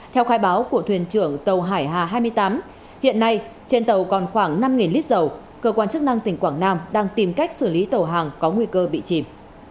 theo khai báo của thuyền trưởng tàu hải hà hai mươi tám hiện nay trên tàu còn khoảng năm lít dầu cơ quan chức năng tỉnh quảng nam đang tìm cách xử lý tàu hàng có nguy cơ bị chìm